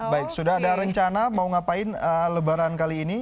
baik sudah ada rencana mau ngapain lebaran kali ini